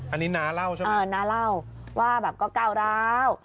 อันนี้นาร่าวใช่มั้ยนาร่าวว่าก็ก้าวร้าว